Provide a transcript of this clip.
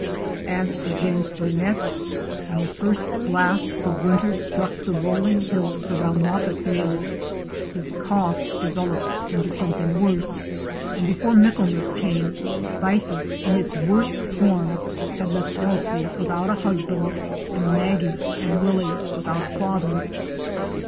As for James Bur net, when the first blasts of winter struck the rolling hills around Moffatdale, his cough developed into something worse, and before Michaelmas came around, phthisis in its worst form had left Ailsie without a husband, and Maggie and Willie without a father.